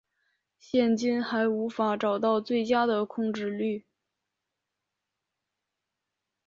现今还无法找到最佳的控制律。